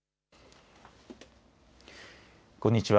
こんにちは。